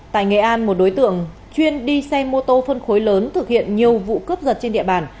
tại nghệ an một đối tượng chuyên đi xe mô tô phân khối lớn thực hiện nhiều vụ cướp giật trên địa bàn